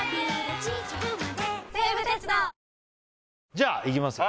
じゃあいきますよ